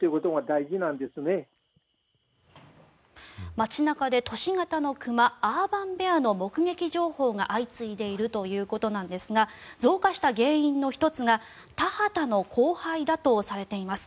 街中で都市型の熊アーバンベアの目撃情報が相次いでいるということなんですが増加した原因の１つが田畑の荒廃だとされています。